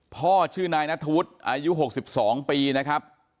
ชื่อนายนัทธวุฒิอายุ๖๒ปีนะครับ